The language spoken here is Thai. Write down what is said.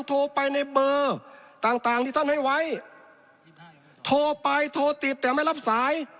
โทรไปในเบอร์ต่างที่ท่านให้ไว้โทรไปโทรติดแต่ไม่รับสาย